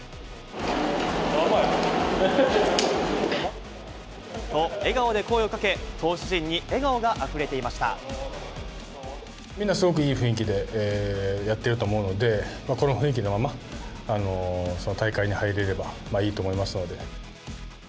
まあまあやろ。と、笑顔で声をかけ、投手陣みんなすごくいい雰囲気でやってると思うので、この雰囲気のまま、大会に入れればいいと思いますので。